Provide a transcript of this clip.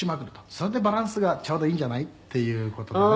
「“それでバランスがちょうどいいんじゃない？”っていう事でね」